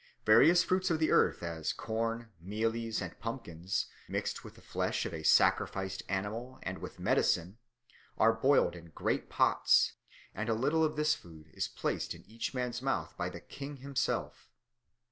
Various fruits of the earth, as corn, mealies, and pumpkins, mixed with the flesh of a sacrificed animal and with "medicine," are boiled in great pots, and a little of this food is placed in each man's mouth by the king himself.